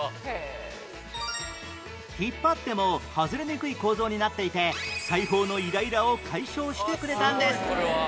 引っ張っても外れにくい構造になっていて裁縫のイライラを解消してくれたんです